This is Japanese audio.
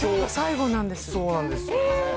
そうなんですよね。